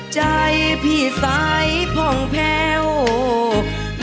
ใจพี่สายผ่องแพ้ว